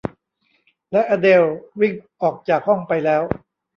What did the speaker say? และอเดลวิ่งออกจากห้องไปแล้ว